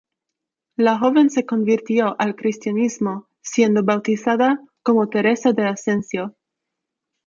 La joven se convirtió al cristianismo siendo bautizada como Teresa de Ascencio.